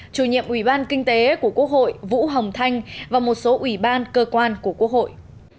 chủ nhiệm ủy ban kinh tế của quốc hội vũ hồng thanh và một số ủy ban cơ quan của quốc hội